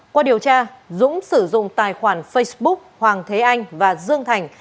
qua điều tra dũng sử dụng tài khoản facebook hoàng thế anh và dương thành